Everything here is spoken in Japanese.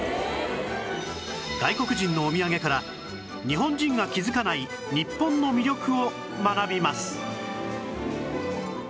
外国人のお土産から日本人が気づかない日本の魅力を学びます